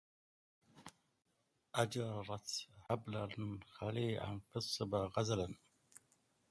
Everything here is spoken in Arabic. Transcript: أجررت حبل خليع في الصبا غزل